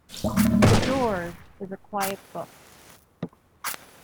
"The Doors" is a quiet book.